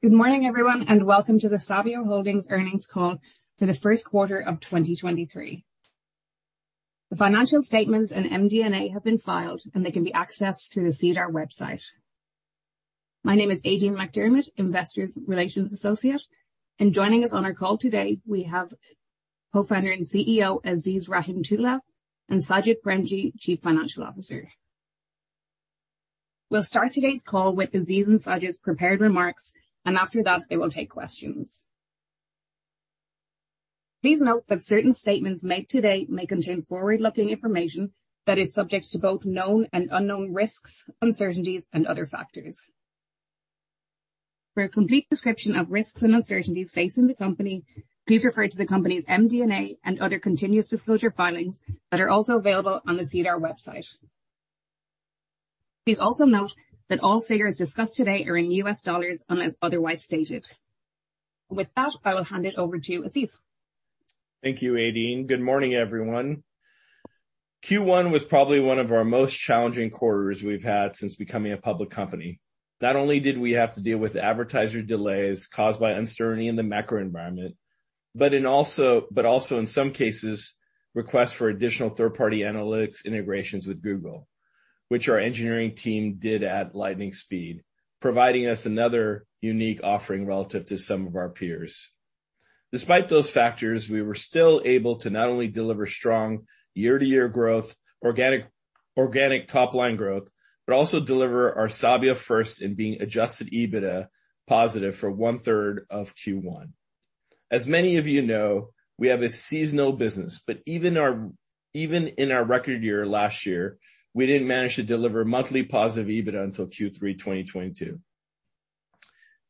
Good morning, everyone, and welcome to the Sabio Holdings earnings call for the first quarter of 2023. The financial statements and MD&A have been filed, and they can be accessed through the SEDAR website. My name is Aideen McDermott, Investor Relations Associate, and joining us on our call today, we have Co-Founder and CEO, Aziz Rahimtoola, and Sajid Premji, Chief Financial Officer. We'll start today's call with Aziz and Sajid's prepared remarks, and after that, they will take questions. Please note that certain statements made today may contain forward-looking information that is subject to both known and unknown risks, uncertainties, and other factors. For a complete description of risks and uncertainties facing the company, please refer to the company's MD&A and other continuous disclosure filings that are also available on the SEDAR website. Please also note that all figures discussed today are in US dollars unless otherwise stated. With that, I will hand it over to you, Aziz. Thank you, Aideen. Good morning, everyone. Q1 was probably one of our most challenging quarters we've had since becoming a public company. Not only did we have to deal with advertiser delays caused by uncertainty in the macro environment, but also, in some cases, requests for additional third-party analytics integrations with Google, which our engineering team did at lightning speed, providing us another unique offering relative to some of our peers. Despite those factors, we were still able to not only deliver strong year-to-year growth, organic top-line growth, but also deliver our Sabio first in being Adjusted EBITDA positive for one-third of Q1. As many of you know, we have a seasonal business, but even in our record year last year, we didn't manage to deliver monthly positive EBITDA until Q3 2022.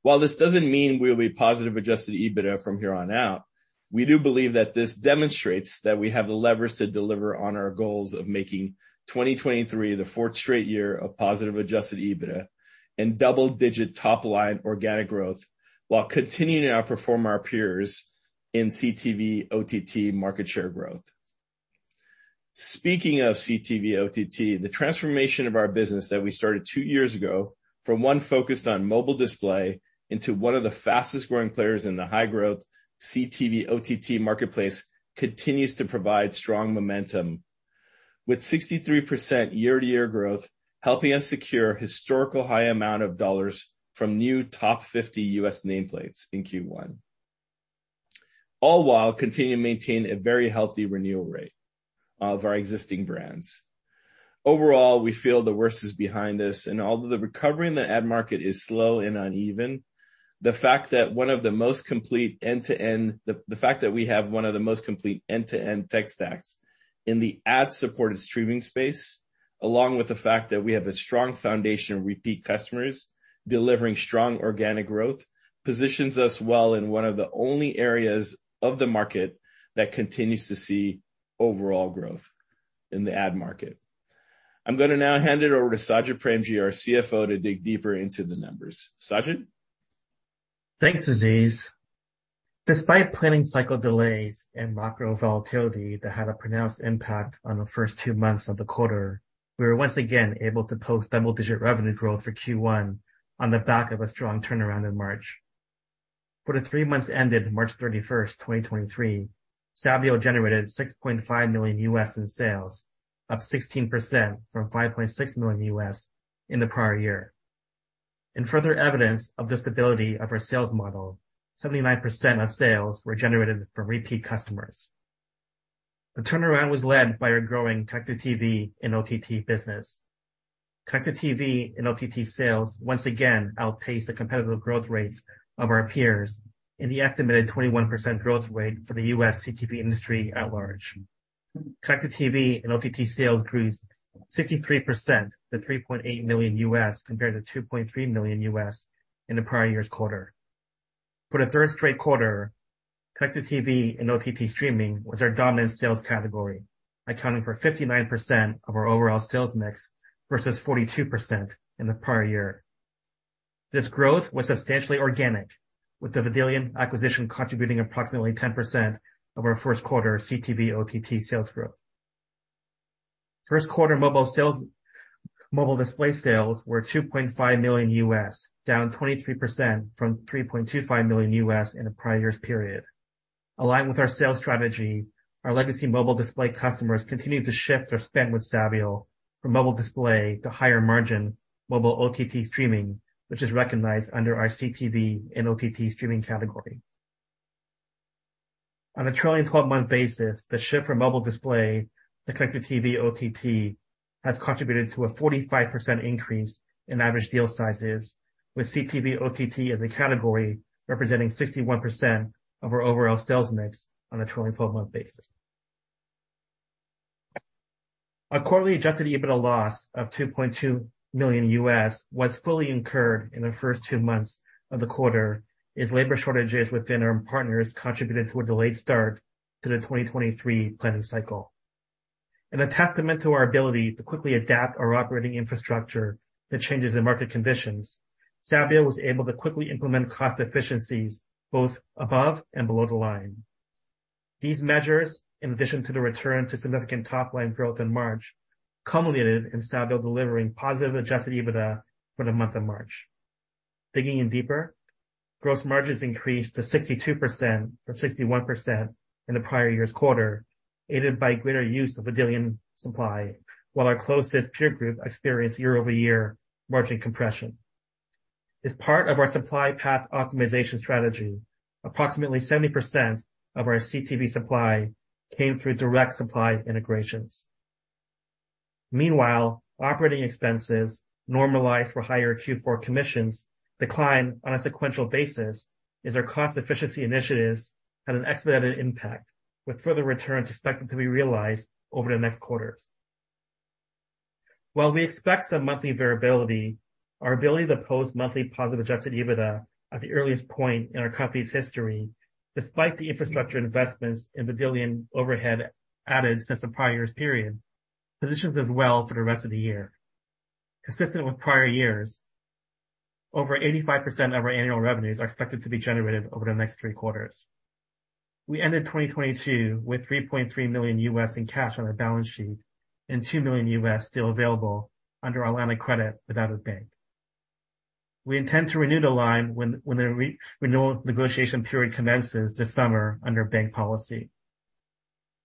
While this doesn't mean we'll be positive Adjusted EBITDA from here on out, we do believe that this demonstrates that we have the leverage to deliver on our goals of making 2023 the fourth straight year of positive Adjusted EBITDA and double-digit top-line organic growth, while continuing to outperform our peers in CTV/OTT market share growth. Speaking of CTV/OTT, the transformation of our business that we started two years ago from one focused on mobile display into one of the fastest-growing players in the high-growth CTV/OTT marketplace, continues to provide strong momentum, with 63% year-over-year growth, helping us secure historical high amount of $ from new top 50 U.S. nameplates in Q1. All while continuing to maintain a very healthy renewal rate of our existing brands. Overall, we feel the worst is behind us, although the recovery in the ad market is slow and uneven, the fact that we have one of the most complete end-to-end tech stacks in the ad-supported streaming space, along with the fact that we have a strong foundation of repeat customers delivering strong organic growth, positions us well in one of the only areas of the market that continues to see overall growth in the ad market. I'm going to now hand it over to Sajid Premji, our CFO, to dig deeper into the numbers. Sajid? Thanks, Aziz. Despite planning cycle delays and macro volatility that had a pronounced impact on the first two months of the quarter, we were once again able to post double-digit revenue growth for Q1 on the back of a strong turnaround in March. For the three months ended March 31st, 2023, Sabio generated $6.5 million in sales, up 16% from $5.6 million in the prior year. In further evidence of the stability of our sales model, 79% of sales were generated from repeat customers. The turnaround was led by our growing Connected TV and OTT business. Connected TV and OTT sales once again outpaced the competitive growth rates of our peers in the estimated 21% growth rate for the U.S. CTV industry at large. Connected TV and OTT sales grew 63% to $3.8 million, compared to $2.3 million in the prior year's quarter. For the third straight quarter, Connected TV and OTT streaming was our dominant sales category, accounting for 59% of our overall sales mix versus 42% in the prior year. This growth was substantially organic, with the Vidillion acquisition contributing approximately 10% of our first quarter CTV/OTT sales growth. First quarter mobile sales, mobile display sales were $2.5 million, down 23% from $3.25 million in the prior year's period. Aligned with our sales strategy, our legacy mobile display customers continued to shift their spend with Sabio from mobile display to higher-margin mobile OTT streaming, which is recognized under our CTV and OTT streaming category. On a trailing 12-month basis, the shift from mobile display to CTV, OTT, has contributed to a 45% increase in average deal sizes, with CTV/OTT as a category representing 61% of our overall sales mix on a trailing 12-month basis. Our quarterly Adjusted EBITDA loss of $2.2 million was fully incurred in the first two months of the quarter, as labor shortages within our partners contributed to a delayed start to the 2023 planning cycle. In a testament to our ability to quickly adapt our operating infrastructure to changes in market conditions, Sabio was able to quickly implement cost efficiencies both above and below the line. These measures, in addition to the return to significant top-line growth in March, culminated in Sabio delivering positive Adjusted EBITDA for the month of March. Digging in deeper, gross margins increased to 62% from 61% in the prior year's quarter, aided by greater use of the Vidillion supply, while our closest peer group experienced year-over-year margin compression. As part of our supply path optimization strategy, approximately 70% of our CTV supply came through direct supply integrations. Meanwhile, operating expenses normalized for higher Q4 commissions declined on a sequential basis, as our cost efficiency initiatives had an expedited impact, with further returns expected to be realized over the next quarters. We expect some monthly variability, our ability to post monthly positive Adjusted EBITDA at the earliest point in our company's history, despite the infrastructure investments in Vidillion overhead added since the prior year's period, positions us well for the rest of the year. Consistent with prior years, over 85% of our annual revenues are expected to be generated over the next 3 quarters. We ended 2022 with $3.3 million in cash on our balance sheet and $2 million still available under our line of credit with Avidbank. We intend to renew the line when the renewal negotiation period commences this summer under bank policy.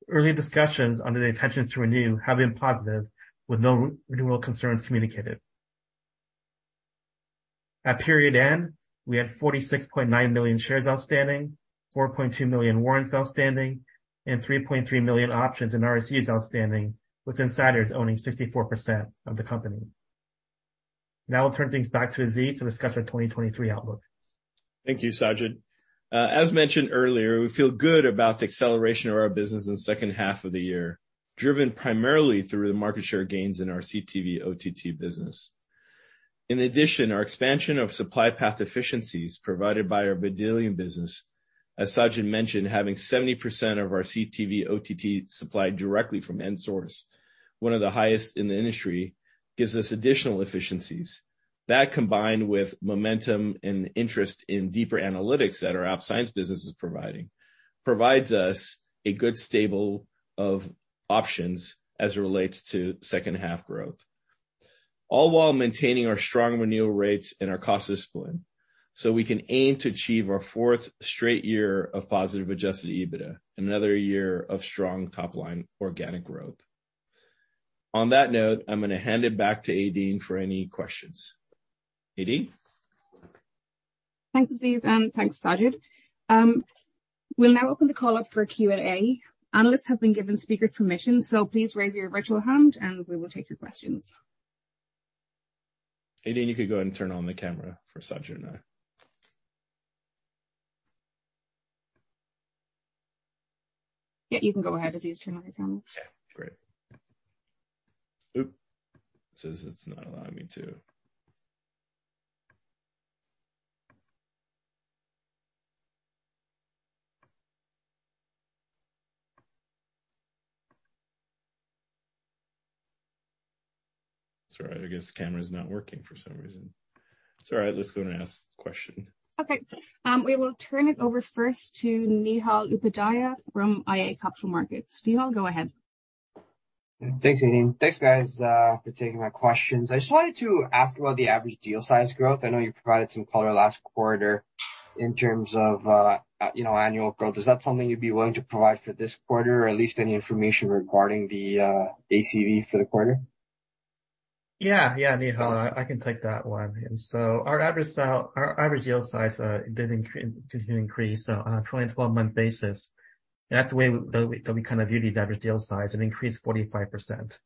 Early discussions under the intentions to renew have been positive, with no renewal concerns communicated. At period end, we had 46.9 million shares outstanding, 4.2 million warrants outstanding, and 3.3 million options and RSUs outstanding, with insiders owning 64% of the company. I'll turn things back to Aziz to discuss our 2023 outlook. Thank you, Sajid. As mentioned earlier, we feel good about the acceleration of our business in the second half of the year, driven primarily through the market share gains in our CTV/OTT business. In addition, our expansion of supply path efficiencies provided by our Vidillion business, as Sajid mentioned, having 70% of our CTV/OTT supplied directly from end source, one of the highest in the industry, gives us additional efficiencies. That, combined with momentum and interest in deeper analytics that our App Science business is providing, provides us a good stable of options as it relates to second half growth, all while maintaining our strong renewal rates and our cost discipline, so we can aim to achieve our fourth straight year of positive Adjusted EBITDA, another year of strong top-line organic growth. On that note, I'm going to hand it back to Aideen for any questions. Aideen? Thanks, Aziz, and thanks, Sajid. We'll now open the call up for Q&A. Analysts have been given speakers permission, so please raise your virtual hand and we will take your questions. Aideen, you can go ahead and turn on the camera for Sajid and I. Yeah, you can go ahead, Aziz, turn on your camera. Yeah, great. It says it's not allowing me to. It's all right. I guess the camera's not working for some reason. It's all right. Let's go and ask the question. Okay. We will turn it over first to Neehal Upadhyaya from iA Capital Markets. Neehal, go ahead. Thanks, Aideen. Thanks, guys, for taking my questions. I just wanted to ask about the average deal size growth. I know you provided some color last quarter in terms of, you know, annual growth. Is that something you'd be willing to provide for this quarter, or at least any information regarding the ACV for the quarter? Yeah, Neehal, I can take that one. Our average deal size did increase on a 12-month basis. That's the way that we kind of view the average deal size, it increased 45%.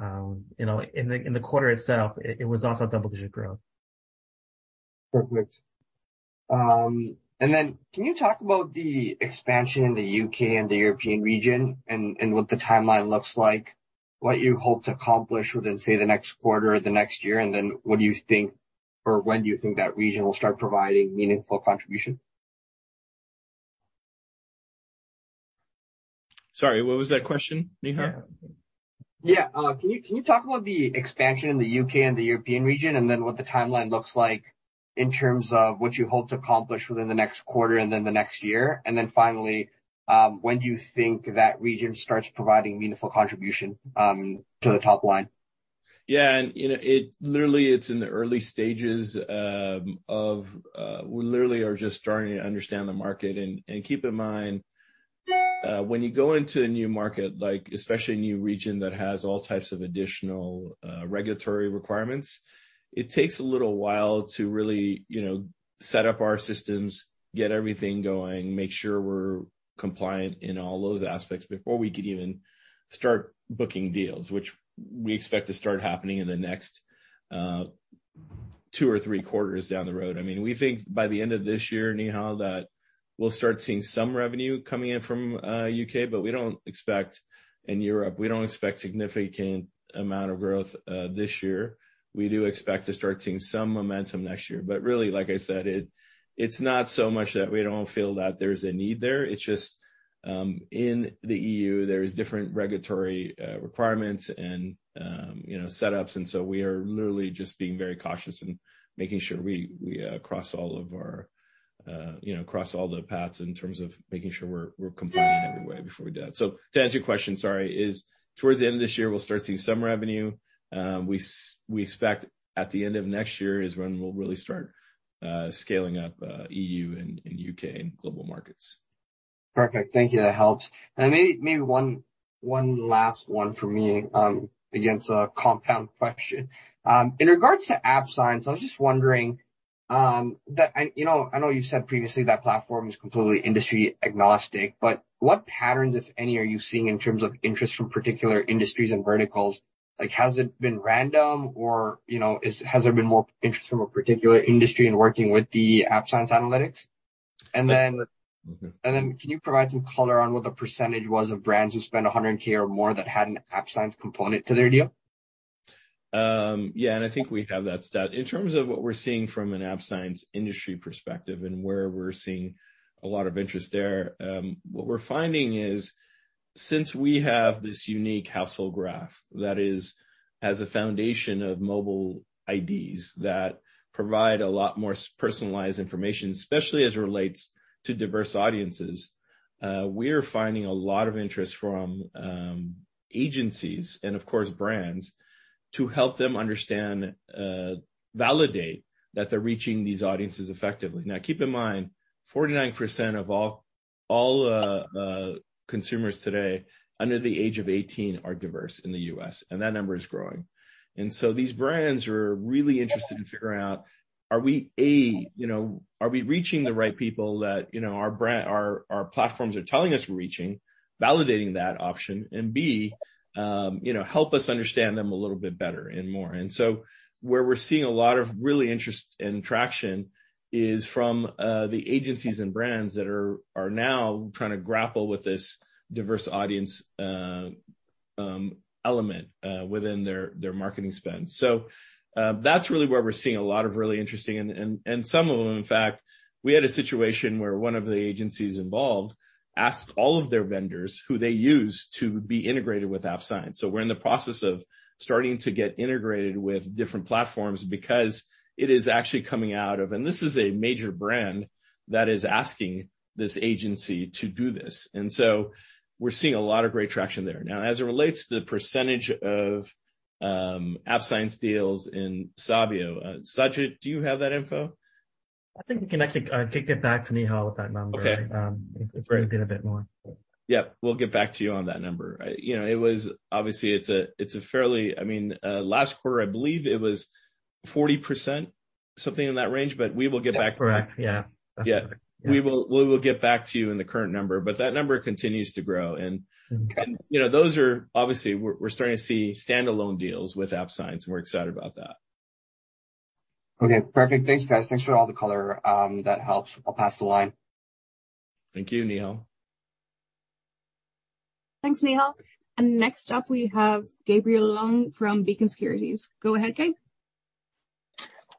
You know, in the quarter itself, it was also double-digit growth. Perfect. Can you talk about the expansion in the U.K. and the European region and what the timeline looks like, what you hope to accomplish within, say, the next quarter or the next year? What do you think, or when do you think that region will start providing meaningful contribution? Sorry, what was that question, Neehal? Yeah. Can you talk about the expansion in the U.K. and the European region, and then what the timeline looks like in terms of what you hope to accomplish within the next quarter and then the next year? Finally, when do you think that region starts providing meaningful contribution to the top line? You know, it literally, it's in the early stages of we literally are just starting to understand the market. Keep in mind, when you go into a new market, like especially a new region that has all types of additional regulatory requirements, it takes a little while to really, you know, set up our systems, get everything going, make sure we're compliant in all those aspects before we could even start booking deals, which we expect to start happening in the next two or three quarters down the road. I mean, we think by the end of this year, Neehal, that we'll start seeing some revenue coming in from U.K., but in Europe, we don't expect significant amount of growth this year. We do expect to start seeing some momentum next year. Really, like I said, it's not so much that we don't feel that there's a need there. It's just in the EU, there's different regulatory requirements and, you know, setups. We are literally just being very cautious and making sure we cross all the paths in terms of making sure we're compliant in every way before we do that. To answer your question, sorry, is towards the end of this year, we'll start seeing some revenue. We expect at the end of next year is when we'll really start scaling up EU and U.K. and global markets. Perfect. Thank you. That helps. Maybe one last one for me, again, it's a compound question. In regards to App Science, I was just wondering, that, you know, I know you've said previously that platform is completely industry agnostic, but what patterns, if any, are you seeing in terms of interest from particular industries and verticals? Like, has it been random or, you know, has there been more interest from a particular industry in working with the App Science analytics? Mm-hmm. Can you provide some color on what the % was of brands who spent $100K or more that had an App Science component to their deal? Yeah, and I think we have that stat. In terms of what we're seeing from an App Science industry perspective and where we're seeing a lot of interest there, what we're finding is, since we have this unique household graph that is, as a foundation of mobile IDs that provide a lot more personalized information, especially as it relates to diverse audiences, we're finding a lot of interest from agencies and of course, brands, to help them understand, validate that they're reaching these audiences effectively. Now, keep in mind, 49% of all consumers today under the age of 18 are diverse in the U.S., and that number is growing. These brands are really interested in figuring out, are we, A, you know, are we reaching the right people that, you know, our brand. Our platforms are telling us we're reaching, validating that option, and B, you know, help us understand them a little bit better and more. Where we're seeing a lot of really interest and traction is from the agencies and brands that are now trying to grapple with this diverse audience element within their marketing spend. That's really where we're seeing a lot of really interesting and some of them, in fact, we had a situation where one of the agencies involved asked all of their vendors who they use to be integrated with App Science. We're in the process of starting to get integrated with different platforms because it is actually coming out of. This is a major brand that is asking this agency to do this. We're seeing a lot of great traction there. Now, as it relates to the percentage of App Science deals in Sabio, Sajid, do you have that info? I think we can actually get back to Neehal with that number. Okay. It's been a bit more. We'll get back to you on that number. You know, it was obviously, it's a fairly... I mean, last quarter, I believe it was 40%, something in that range. We will get back. Correct. Yeah. Yeah. That's right. We will get back to you in the current number. That number continues to grow. Mm-hmm. You know, those are obviously, we're starting to see standalone deals with App Science, and we're excited about that. Okay, perfect. Thanks, guys. Thanks for all the color. That helps. I'll pass the line. Thank you, Neehal. Thanks, Neehal. Next up, we have Gabriel Leung from Beacon Securities. Go ahead, Gabe.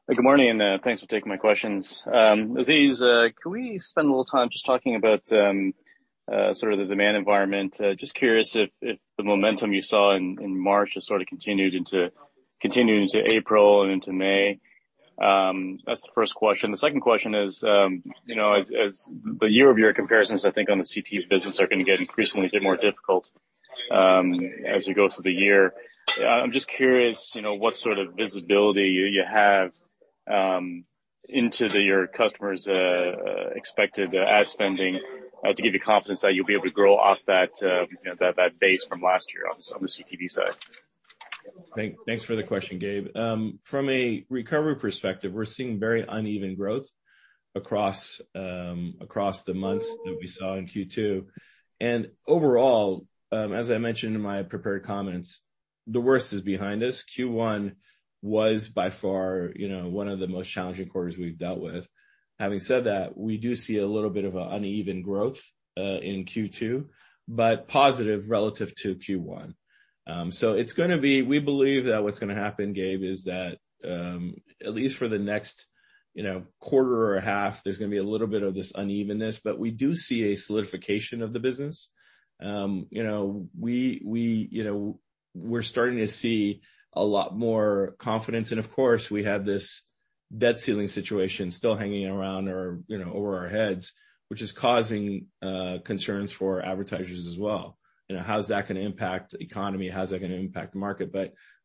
Good morning, thanks for taking my questions. Aziz, can we spend a little time just talking about sort of the demand environment? Just curious if the momentum you saw in March has sort of continued into April and into May? That's the first question. The second question is, you know, as the year-over-year comparisons, I think, on the CTV business are going to get increasingly more difficult as we go through the year. I'm just curious, you know, what sort of visibility you have into your customers' expected ad spending to give you confidence that you'll be able to grow off that, you know, that base from last year on the CTV side. Thanks for the question, Gabe. From a recovery perspective, we're seeing very uneven growth across the months that we saw in Q2. Overall, as I mentioned in my prepared comments, the worst is behind us. Q1 was by far, you know, one of the most challenging quarters we've dealt with. Having said that, we do see a little bit of a uneven growth in Q2, but positive relative to Q1. It's gonna be. We believe that what's gonna happen, Gabe, is that, at least for the next, you know, quarter or a half, there's gonna be a little bit of this unevenness, but we do see a solidification of the business. You know, we, you know, we're starting to see a lot more confidence. Of course, we have this debt ceiling situation still hanging around or, you know, over our heads, which is causing concerns for advertisers as well. You know, how's that going to impact the economy? How's that going to impact the market?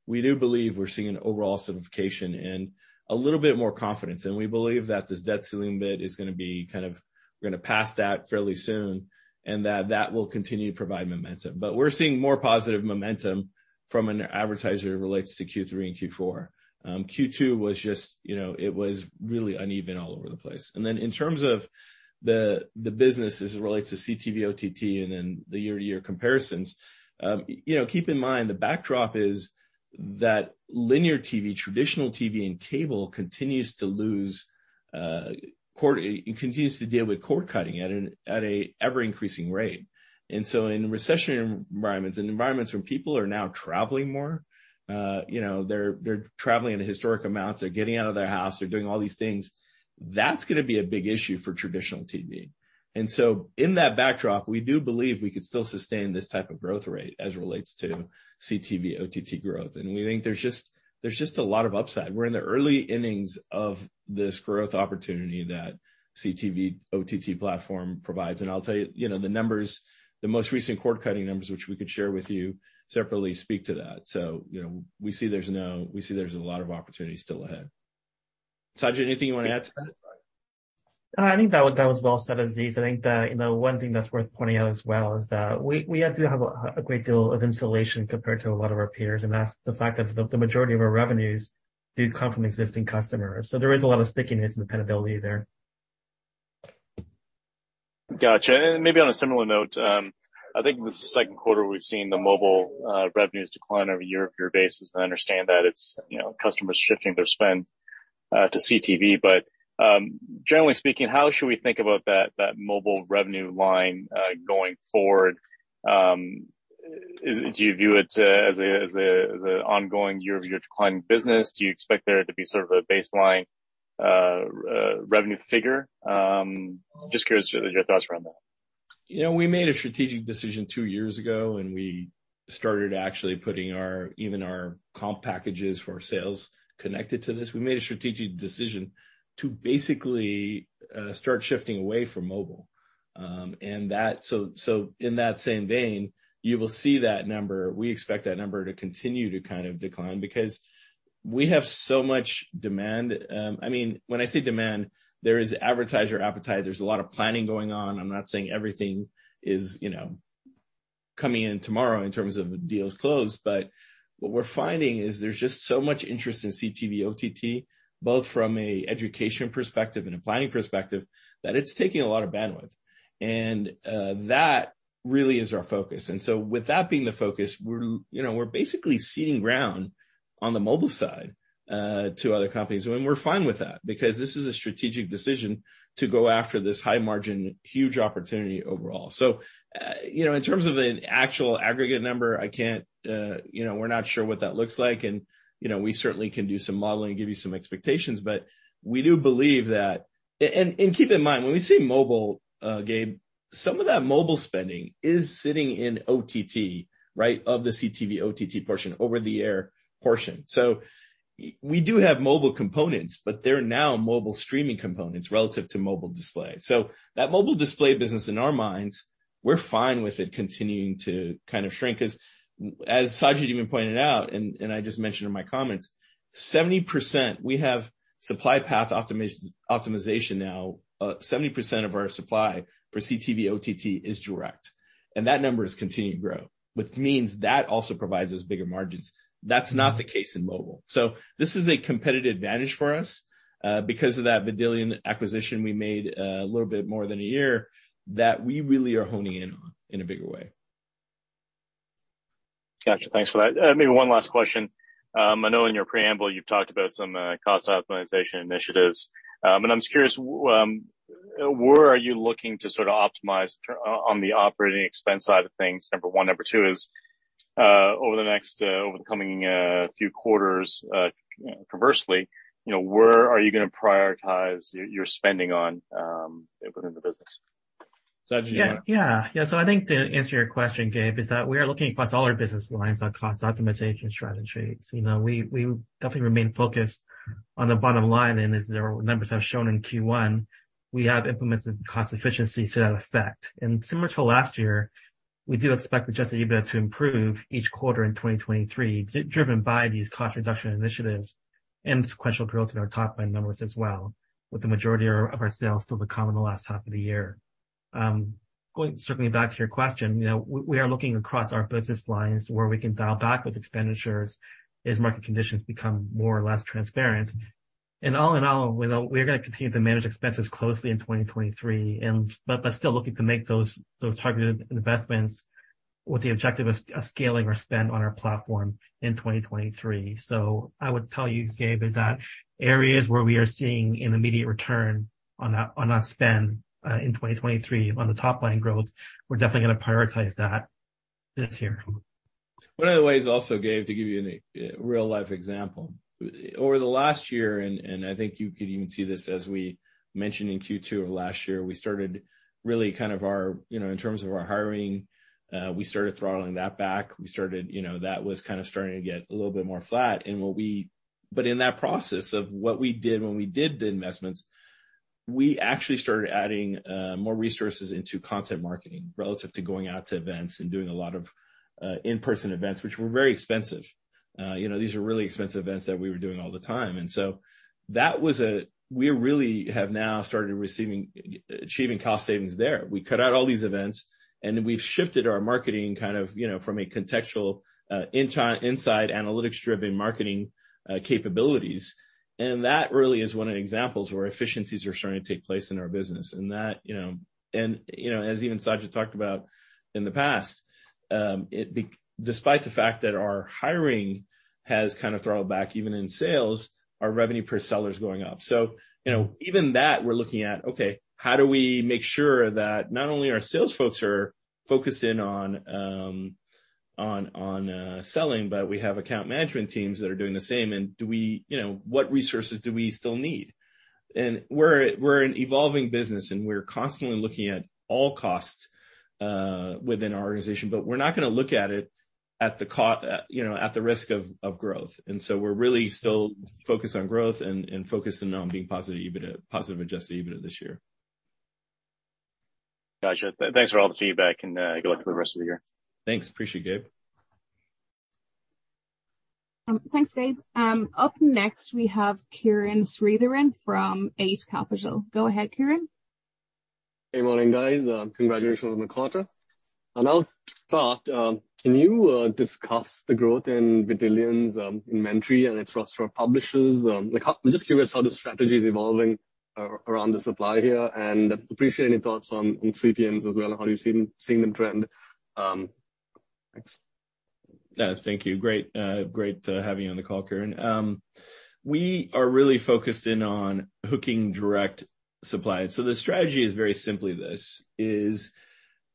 We do believe we're seeing an overall solidification and a little bit more confidence, and we believe that this debt ceiling bid is gonna be kind of, we're gonna pass that fairly soon, and that will continue to provide momentum. We're seeing more positive momentum from an advertiser relates to Q3 and Q4. Q2 was just, you know, it was really uneven all over the place. In terms of the business as it relates to CTV/OTT, the year-to-year comparisons, you know, keep in mind, the backdrop is that linear TV, traditional TV and cable, continues to lose. It continues to deal with cord-cutting at an ever-increasing rate. In recession environments, in environments where people are now traveling more, you know, they're traveling in historic amounts, they're getting out of their house, they're doing all these things. That's gonna be a big issue for traditional TV. In that backdrop, we do believe we could still sustain this type of growth rate as it relates to CTV/OTT growth. We think there's just a lot of upside. We're in the early innings of this growth opportunity that CTV/OTT platform provides. I'll tell you know, the numbers, the most recent cord-cutting numbers, which we could share with you separately, speak to that. You know, we see there's a lot of opportunity still ahead. Sajid, anything you wanna add to that? I think that was well said, Aziz. I think that, you know, one thing that's worth pointing out as well is that we do have a great deal of insulation compared to a lot of our peers, and that's the fact that the majority of our revenues do come from existing customers. There is a lot of stickiness and dependability there. Gotcha. Maybe on a similar note, I think this second quarter, we've seen the mobile, revenues decline on a year-over-year basis. I understand that it's, you know, customers shifting their spend, to CTV. Generally speaking, how should we think about that mobile revenue line, going forward? Do you view it as an ongoing year-over-year declining business? Do you expect there to be sort of a baseline, revenue figure? Just curious to your thoughts around that. You know, we made a strategic decision two years ago, we started actually putting even our comp packages for sales connected to this. We made a strategic decision to basically start shifting away from mobile. So in that same vein, we expect that number to continue to kind of decline because we have so much demand. I mean, when I say demand, there is advertiser appetite. There's a lot of planning going on. I'm not saying everything is, you know, coming in tomorrow in terms of deals closed, what we're finding is there's just so much interest in CTV/OTT, both from an education perspective and a planning perspective, that it's taking a lot of bandwidth, that really is our focus. With that being the focus, we're, you know, we're basically ceding ground on the mobile side to other companies, and we're fine with that because this is a strategic decision to go after this high-margin, huge opportunity overall. you know, in terms of an actual aggregate number, I can't, you know, we're not sure what that looks like. you know, we certainly can do some modeling and give you some expectations, but we do believe that... keep in mind, when we say mobile, Gabe, some of that mobile spending is sitting in OTT, right? Of the CTV/OTT portion, over-the-air portion. we do have mobile components, but they're now mobile streaming components relative to mobile display. That mobile display business in our minds, we're fine with it continuing to kind of shrink, 'cause as Sajid even pointed out, and I just mentioned in my comments, 70%, we have supply path optimization now. 70% of our supply for CTV/OTT is direct, and that number is continuing to grow, which means that also provides us bigger margins. That's not the case in mobile. This is a competitive advantage for us, because of that Vidillion acquisition we made a little bit more than a year, that we really are honing in on in a bigger way. Gotcha. Thanks for that. Maybe one last question. I know in your preamble, you've talked about some cost optimization initiatives, and I'm just curious, where are you looking to sort of optimize on the operating expense side of things, number one? Number two is, over the next, over the coming few quarters, conversely, you know, where are you gonna prioritize your spending on within the business? Sajid, do you? Yeah. I think to answer your question, Gabe, is that we are looking across all our business lines on cost optimization strategies. You know, we definitely remain focused on the bottom line, and as our numbers have shown in Q1, we have implemented cost efficiency to that effect. Similar to last year, we do expect Adjusted EBITDA to improve each quarter in 2023, driven by these cost reduction initiatives and sequential growth in our top-line numbers as well, with the majority of our sales still to come in the last half of the year. Circling back to your question, you know, we are looking across our business lines where we can dial back with expenditures as market conditions become more or less transparent. All in all, we know we are gonna continue to manage expenses closely in 2023 but still looking to make those targeted investments with the objective of scaling our spend on our platform in 2023. I would tell you, Gabe, is that areas where we are seeing an immediate return on our spend in 2023, on the top-line growth, we're definitely gonna prioritize that this year. One of the ways also, Gabe, to give you a real-life example. Over the last year, and I think you could even see this as we mentioned in Q2 of last year, we started really kind of our, you know, in terms of our hiring, we started throttling that back. We started, you know, that was kind of starting to get a little bit more flat. But in that process of what we did when we did the investments, we actually started adding more resources into content marketing relative to going out to events and doing a lot of in-person events, which were very expensive. You know, these were really expensive events that we were doing all the time. We really have now started receiving, achieving cost savings there. We cut out all these events, we've shifted our marketing kind of, you know, from a contextual, inside, analytics-driven marketing capabilities. That really is one of the examples where efficiencies are starting to take place in our business. That, you know, and, you know, as even Sajid talked about in the past, despite the fact that our hiring has kind of throttled back, even in sales, our revenue per seller is going up. You know, even that, we're looking at, okay, how do we make sure that not only our sales folks focus in on, on, selling, but we have account management teams that are doing the same, and do we, you know, what resources do we still need? We're an evolving business, and we're constantly looking at all costs within our organization, but we're not gonna look at it at the risk of growth. We're really still focused on growth and focused in on being positive EBITDA, positive Adjusted EBITDA this year. Gotcha. Thanks for all the feedback and good luck for the rest of the year. Thanks. Appreciate it, Gabe. Thanks, Gabe. Up next, we have Kiran Sritharan from Eight Capital. Go ahead, Kiran. Hey, morning, guys. Congratulations on the quarter. I'll start, can you discuss the growth in Vidillion's inventory and its roster of publishers? like, I'm just curious how the strategy is evolving around the supply here, and appreciate any thoughts on CPMs as well, and how you've seen them trend. Thanks. Yeah. Thank you. Great, great to have you on the call, Kiran. We are really focused in on hooking direct supply. The strategy is very simply this, is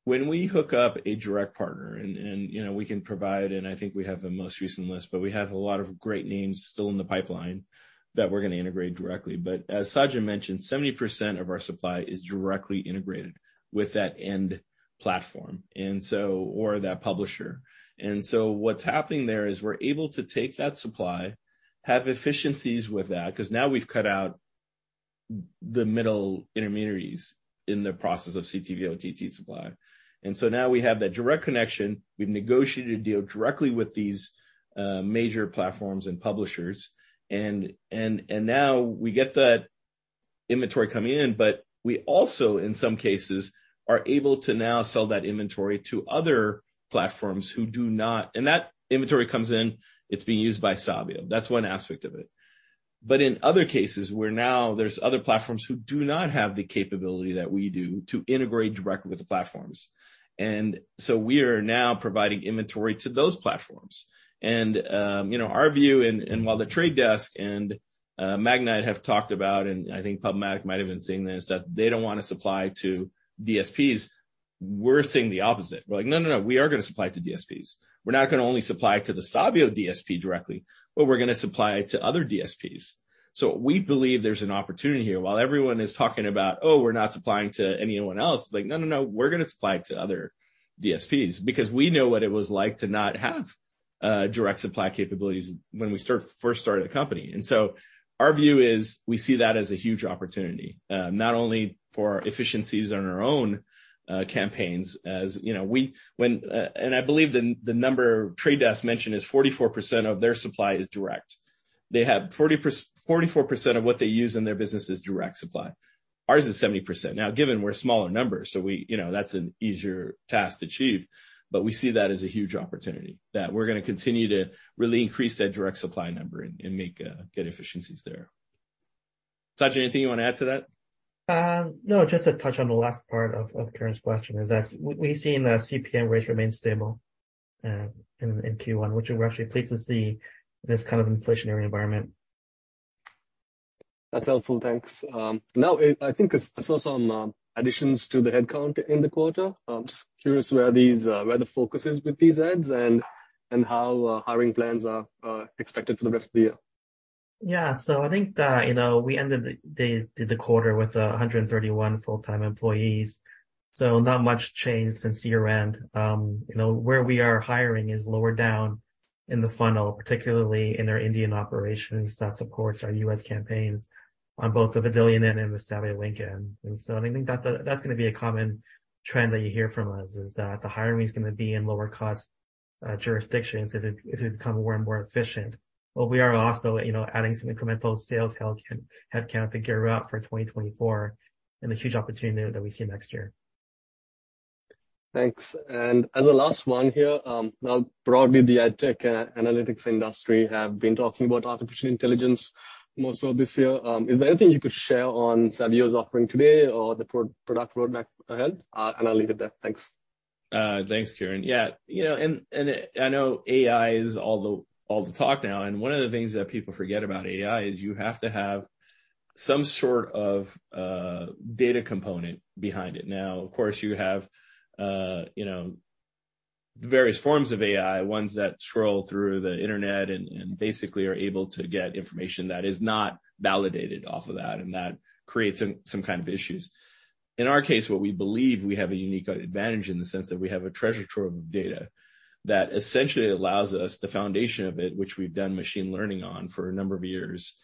when we hook up a direct partner and, you know, we can provide, and I think we have the most recent list, but we have a lot of great names still in the pipeline that we're gonna integrate directly. As Sajid mentioned, 70% of our supply is directly integrated with that end platform, and so... or that publisher. What's happening there is we're able to take that supply, have efficiencies with that, 'cause now we've cut out the middle intermediaries in the process of CTV/OTT supply. Now we have that direct connection. We've negotiated a deal directly with these major platforms and publishers, and now we get that inventory coming in, but we also, in some cases, are able to now sell that inventory to other platforms. That inventory comes in, it's being used by Sabio. That's one aspect of it. In other cases, where now there's other platforms who do not have the capability that we do to integrate directly with the platforms. We are now providing inventory to those platforms. You know, our view and while The Trade Desk and Magnite have talked about, and I think PubMatic might have been saying this, that they don't wanna supply to DSPs, we're seeing the opposite. We're like, "No, no, we are gonna supply to DSPs." We're not gonna only supply to the Sabio DSP directly, but we're gonna supply to other DSPs. We believe there's an opportunity here. While everyone is talking about, "Oh, we're not supplying to anyone else," it's like, "No, no, we're gonna supply to other DSPs." We know what it was like to not have direct supply capabilities when we first started the company. Our view is, we see that as a huge opportunity, not only for efficiencies on our own campaigns, as, you know. When I believe the number Trade Desk mentioned is 44% of their supply is direct. They have 44% of what they use in their business is direct supply. Ours is 70%. Now, given, we're a smaller number, so we, you know, that's an easier task to achieve, but we see that as a huge opportunity, that we're gonna continue to really increase that direct supply number and make, get efficiencies there. Sajid, anything you want to add to that? Just to touch on the last part of Kiran's question, is that we've seen the CPM rates remain stable, in Q1, which we're actually pleased to see this kind of inflationary environment. That's helpful. Thanks. I think I saw some additions to the headcount in the quarter. I'm just curious where these, where the focus is with these adds and how hiring plans are expected for the rest of the year. I think that, you know, we ended the quarter with 131 full-time employees, so not much changed since year-end. You know, where we are hiring is lower down in the funnel, particularly in our Indian operations, that supports our U.S. campaigns on both the Vidillion end and the Sabio Link end. I think that's gonna be a common trend that you hear from us, is that the hiring is gonna be in lower-cost jurisdictions as we become more and more efficient. We are also, you know, adding some incremental sales headcount to gear up for 2024 and the huge opportunity that we see next year. Thanks. As the last one here, now, broadly, the ad tech and analytics industry have been talking about artificial intelligence more so this year. Is there anything you could share on Sabio's offering today or the pro-product roadmap ahead? I'll leave it there. Thanks. Thanks, Kiran. You know, I know AI is all the talk now, and one of the things that people forget about AI is you have to have some sort of data component behind it. Of course, you have, you know, various forms of AI, ones that scroll through the internet and basically are able to get information that is not validated off of that. That creates some kind of issues. In our case, what we believe, we have a unique advantage in the sense that we have a treasure trove of data that essentially allows us, the foundation of it, which we've done machine learning on for a number of years,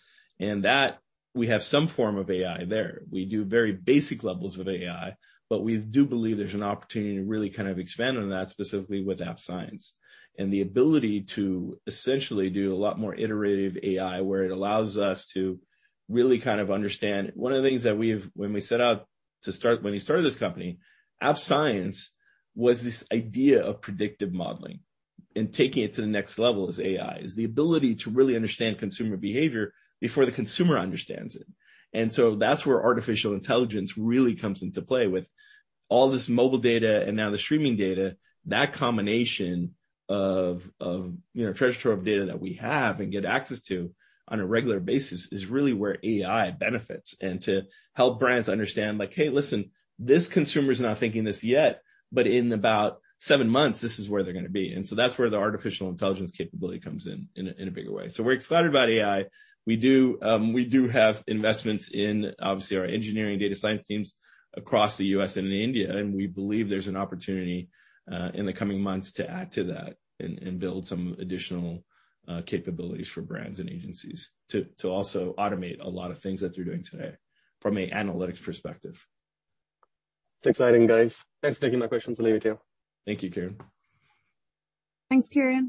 and that we have some form of AI there. We do very basic levels of AI, but we do believe there's an opportunity to really kind of expand on that, specifically with App Science. The ability to essentially do a lot more iterative AI, where it allows us to really kind of understand. One of the things that when we set out to start, when we started this company, App Science was this idea of predictive modeling, and taking it to the next level is AI, is the ability to really understand consumer behavior before the consumer understands it. That's where artificial intelligence really comes into play with all this mobile data and now the streaming data, that combination of, you know, treasure trove of data that we have and get access to on a regular basis is really where AI benefits. To help brands understand, like, "Hey, listen, this consumer is not thinking this yet, but in about seven months, this is where they're gonna be." That's where the artificial intelligence capability comes in a bigger way. We're excited about AI. We do have investments in, obviously, our engineering data science teams across the U.S. and in India, and we believe there's an opportunity in the coming months to add to that and build some additional capabilities for brands and agencies to also automate a lot of things that they're doing today from an analytics perspective. It's exciting, guys. Thanks for taking my questions. I'll leave it here. Thank you, Kiran. Thanks, Kiran.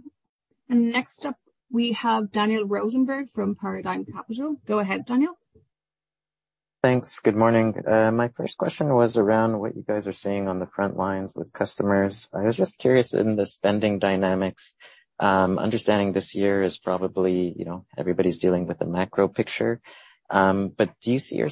Next up, we have Daniel Rosenberg from Paradigm Capital. Go ahead, Daniel. Thanks. Good morning. My first question was around what you guys are seeing on the front lines with customers. I was just curious in the spending dynamics, understanding this year is probably, you know, everybody's dealing with the macro picture. You're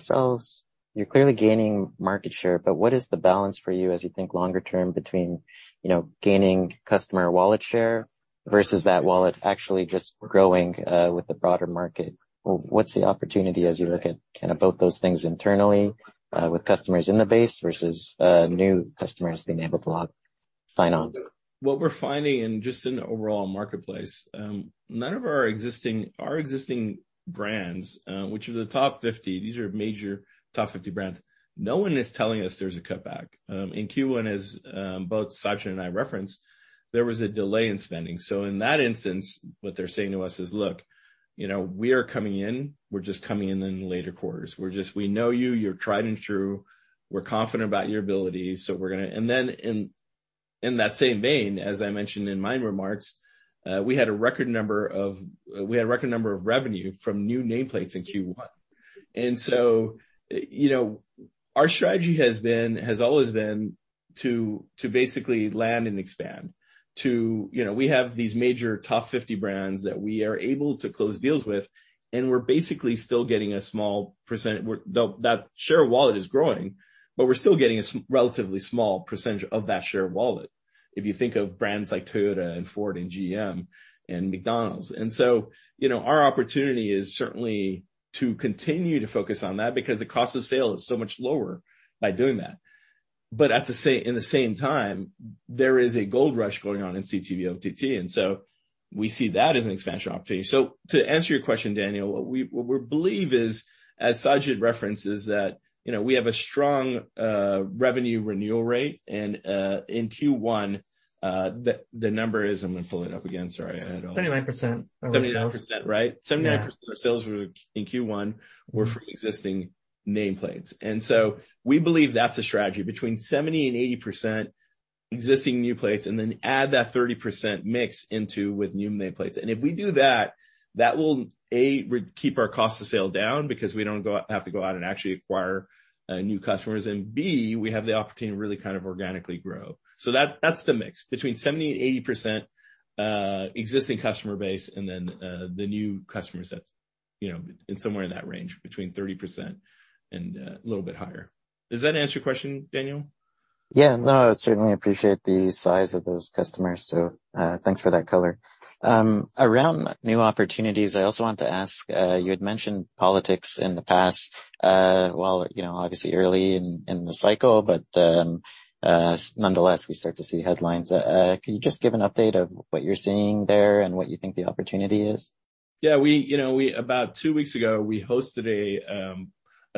clearly gaining market share, but what is the balance for you as you think longer term between, you know, gaining customer wallet share versus that wallet actually just growing, with the broader market? What's the opportunity as you look at kind of both those things internally, with customers in the base versus new customers being able to sign on? What we're finding in just an overall marketplace, none of our existing brands, which are the top 50, these are major top 50 brands, no one is telling us there's a cutback. In Q1, as both Sajid and I referenced, there was a delay in spending. In that instance, what they're saying to us is, "Look, you know, we are coming in, we're just coming in in the later quarters." We know you're tried and true. We're confident about your abilities, we're gonna... In that same vein, as I mentioned in my remarks, we had a record number of revenue from new nameplates in Q1. You know, our strategy has always been to basically land and expand, to... You know, we have these major top 50 brands that we are able to close deals with, and we're basically still getting a small %. Though that share of wallet is growing, but we're still getting a relatively small % of that share of wallet. If you think of brands like Toyota and Ford and GM and McDonald's. You know, our opportunity is certainly to continue to focus on that because the cost of sale is so much lower by doing that. In the same time, there is a gold rush going on in CTV/OTT, and so we see that as an expansion opportunity. To answer your question, Daniel, what we believe is, as Sajid references, that, you know, we have a strong revenue renewal rate, and in Q1, the number is, I'm going to pull it up again, sorry. 79%, right. 79% of our sales were in Q1 from existing nameplates. We believe that's a strategy between 70%-80% existing new plates, and then add that 30% mix into with new nameplates. If we do that will, A, keep our cost of sale down because we don't have to go out and actually acquire new customers. B, we have the opportunity to really kind of organically grow. That's the mix, between 70% and 80%, existing customer base and then, the new customer sets, you know, in somewhere in that range, between 30% and a little bit higher. Does that answer your question, Daniel? No, I certainly appreciate the size of those customers. Thanks for that color. Around new opportunities, I also wanted to ask, you had mentioned politics in the past, while, you know, obviously early in the cycle, but nonetheless, we start to see headlines. Can you just give an update of what you're seeing there and what you think the opportunity is? Yeah, we, you know, about 2 weeks ago, we hosted a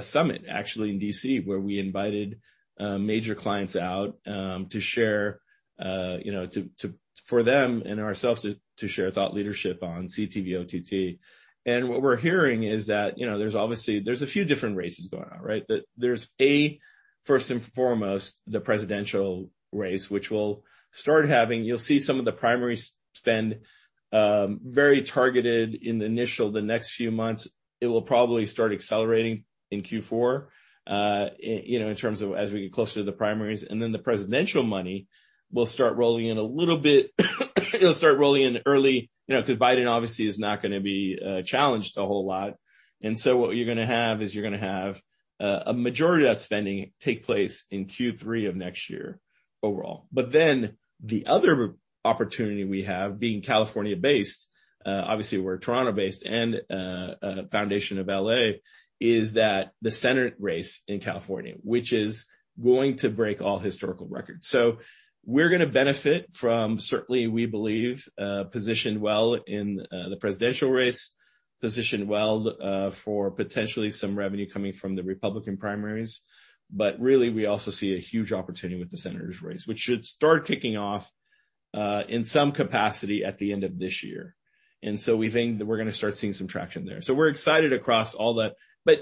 summit, actually, in D.C., where we invited major clients out to share, you know, to, for them and ourselves to share thought leadership on CTV, OTT. What we're hearing is that, you know, there's a few different races going on, right? There's A, first and foremost, the presidential race, which we'll start having... You'll see some of the primary spend very targeted in the initial, the next few months. It will probably start accelerating in Q4, you know, in terms of as we get closer to the primaries, then the presidential money will start rolling in a little bit, it'll start rolling in early, you know, because Biden obviously is not gonna be challenged a whole lot. What you're gonna have is you're gonna have a majority of that spending take place in Q3 of next year overall. The other opportunity we have, being California-based, obviously, we're Toronto-based, and foundation of L.A., is that the Senate race in California, which is going to break all historical records. We're gonna benefit from, certainly, we believe, positioned well in the presidential race, positioned well for potentially some revenue coming from the Republican primaries. We also see a huge opportunity with the senator's race, which should start kicking off in some capacity at the end of this year. We think that we're gonna start seeing some traction there. We're excited across all that.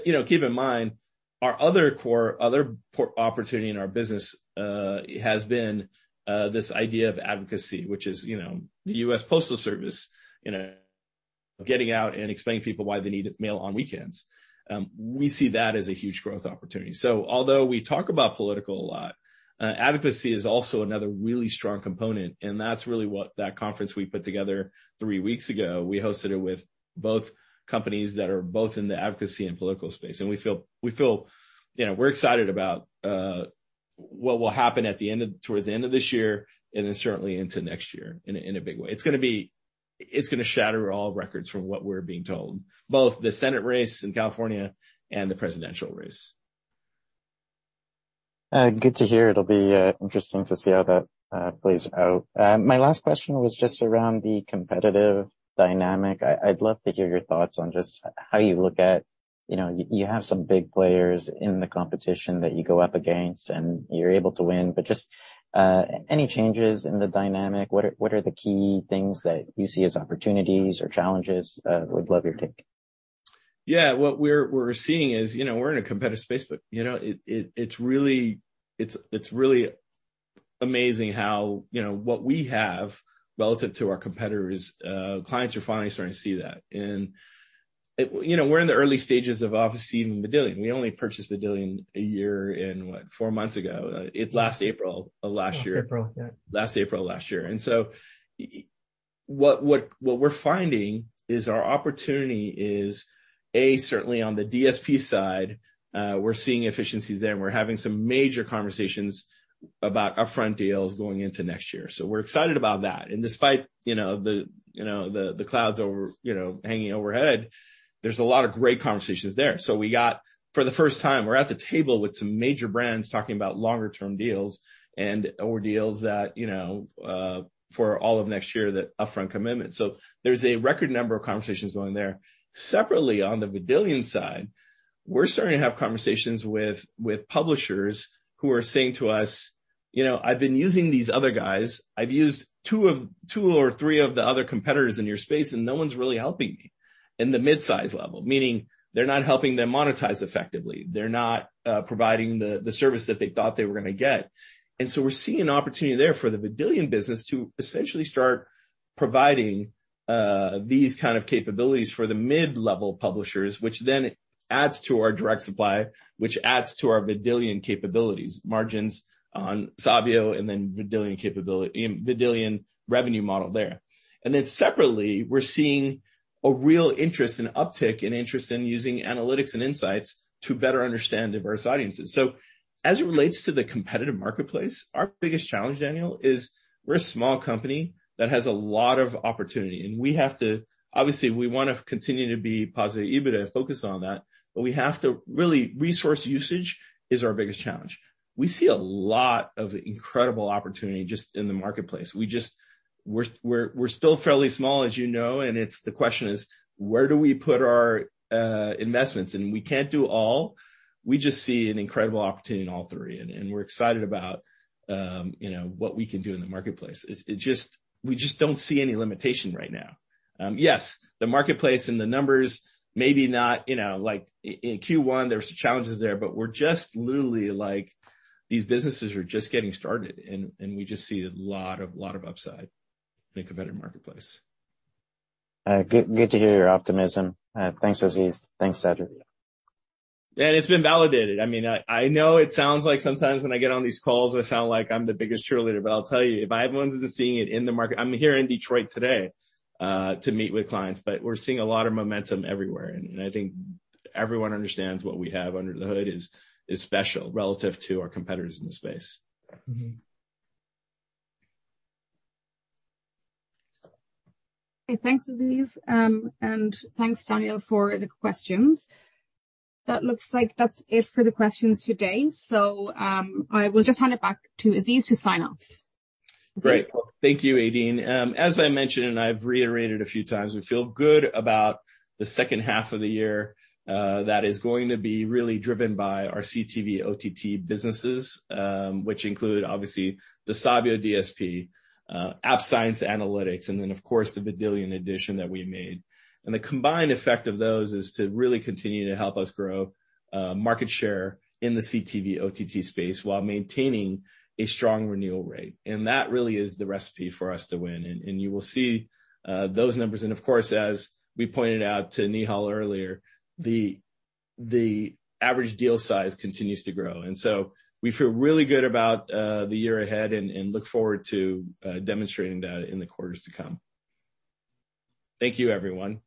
You know, keep in mind, our other core, other opportunity in our business has been this idea of advocacy, which is, you know, the US Postal Service, you know, getting out and explaining to people why they need mail on weekends. We see that as a huge growth opportunity. Although we talk about political a lot, advocacy is also another really strong component, and that's really what that conference we put together three weeks ago. We hosted it with both companies that are both in the advocacy and political space, and we feel, you know, we're excited about what will happen at the end of, towards the end of this year, and then certainly into next year in a big way. It's gonna shatter all records from what we're being told, both the Senate race in California and the presidential race. Good to hear. It'll be interesting to see how that plays out. My last question was just around the competitive dynamic. I'd love to hear your thoughts on just how you look at, you know, you have some big players in the competition that you go up against, and you're able to win, but just any changes in the dynamic? What are the key things that you see as opportunities or challenges? Would love your take. Yeah. What we're seeing is, you know, we're in a competitive space, but, you know, it's really, it's really amazing how, you know, what we have relative to our competitors, clients are finally starting to see that. You know, we're in the early stages of obviously seeing Vidillion. We only purchased Vidillion one year and what? Four months ago, last April of last year. Last April, yeah. Last April last year. What we're finding is our opportunity is, A, certainly on the DSP side, we're seeing efficiencies there, and we're having some major conversations about upfront deals going into next year. We're excited about that. Despite, you know, the, you know, the clouds over, you know, hanging overhead, there's a lot of great conversations there. We got. For the first time, we're at the table with some major brands talking about longer-term deals and or deals that, you know, for all of next year, that upfront commitment. There's a record number of conversations going there. Separately, on the Vidillion side, we're starting to have conversations with publishers who are saying to us: "You know, I've been using these other guys. I've used two or three of the other competitors in your space, and no one's really helping me in the mid-size level. Meaning, they're not helping them monetize effectively. They're not providing the service that they thought they were gonna get. We're seeing an opportunity there for the Vidillion business to essentially start providing these kind of capabilities for the mid-level publishers, which then adds to our direct supply, which adds to our Vidillion capabilities, margins on Sabio and then Vidillion capability, Vidillion revenue model there. Separately, we're seeing a real interest and uptick in interest in using analytics and insights to better understand diverse audiences. As it relates to the competitive marketplace, our biggest challenge, Daniel, is we're a small company that has a lot of opportunity. Obviously, we want to continue to be positive EBITDA and focus on that, but we have to. Really, resource usage is our biggest challenge. We see a lot of incredible opportunity just in the marketplace. We're still fairly small, as you know, and the question is, where do we put our investments? We can't do all. We just see an incredible opportunity in all three. We're excited about, you know, what we can do in the marketplace. We just don't see any limitation right now. Yes, the marketplace and the numbers, maybe not, you know, like in Q1, there were some challenges there, but we're just literally like, these businesses are just getting started, and we just see a lot of upside in a competitive marketplace. Good to hear your optimism. Thanks, Aziz. Thanks, Sajid. It's been validated. I mean, I know it sounds like sometimes when I get on these calls, I sound like I'm the biggest cheerleader, but I'll tell you, if everyone's seeing it in the market. I'm here in Detroit today, to meet with clients. We're seeing a lot of momentum everywhere, I think everyone understands what we have under the hood is special relative to our competitors in the space. Mm-hmm. Thanks, Aziz. Thanks, Daniel, for the questions. That looks like that's it for the questions today. I will just hand it back to Aziz to sign off. Aziz? Great. Thank you, Aideen. As I mentioned, I've reiterated a few times, we feel good about the second half of the year. That is going to be really driven by our CTV/OTT businesses, which include, obviously, the Sabio DSP, App Science analytics, and then, of course, the Vidillion addition that we made. The combined effect of those is to really continue to help us grow market share in the CTV/OTT space while maintaining a strong renewal rate. That really is the recipe for us to win. You will see those numbers. Of course, as we pointed out to Neehal earlier, the average deal size continues to grow. We feel really good about the year ahead and look forward to demonstrating that in the quarters to come. Thank you, everyone.